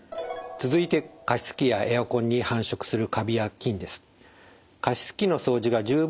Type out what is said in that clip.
続いて加湿器やエアコンに繁殖するカビや菌です。